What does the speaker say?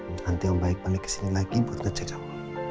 nanti aku balik ke sini lagi buat ngejagamu